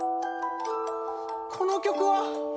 この曲は。